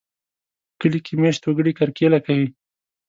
په کلي کې مېشت وګړي کرکېله کوي.